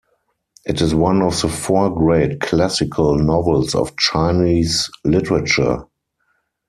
It is one of the Four Great Classical Novels of Chinese literature.